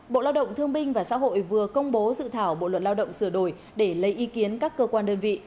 bộ lao động thương binh và xã hội vừa công bố dự thảo bộ luật lao động sửa đổi để lấy ý kiến các cơ quan đơn vị